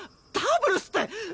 ダブルスって！